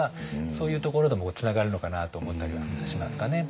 そういうところでもつながるのかなと思ったりはしますかね。